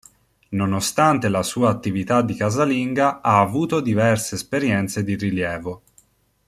Nonostante la sua attività di casalinga, ha avuto diverse esperienze di rilievo.